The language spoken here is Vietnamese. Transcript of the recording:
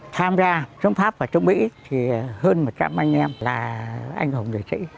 tham gia chống pháp và chống mỹ thì hơn một trăm linh anh em là anh hùng giới trí